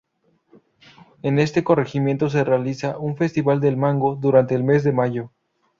En este corregimiento se realiza un festival del mango durante el mes de mayo.